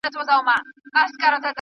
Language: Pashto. « هغه ځای سوځي چي اور ورباندي بل وي» ,